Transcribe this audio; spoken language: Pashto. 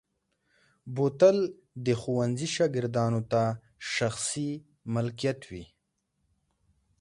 بوتل د ښوونځي شاګردانو ته شخصي ملکیت وي.